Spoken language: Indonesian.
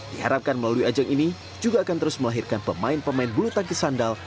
diharapkan melalui ajang ini juga akan terus melahirkan pemain pemain bulu tangkis sandal